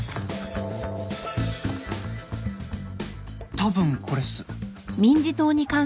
たぶんこれっす。